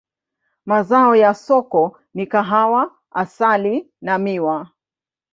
Mazao ya soko ni kahawa, asali na miwa.